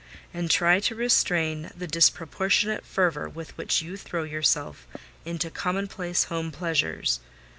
And try to restrain the disproportionate fervour with which you throw yourself into commonplace home pleasures.